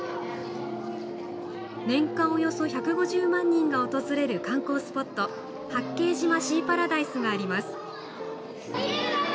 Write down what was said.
年間およそ１５０万人が訪れる観光スポット八景島シーパラダイスがあります。